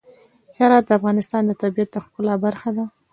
هرات د افغانستان د طبیعت د ښکلا برخه ده.